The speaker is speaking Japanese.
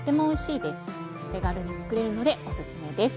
手軽につくれるのでおすすめです。